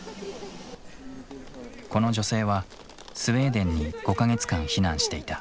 この女性はスウェーデンに５か月間避難していた。